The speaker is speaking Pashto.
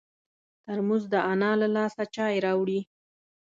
ترموز د انا له لاسه چای راوړي.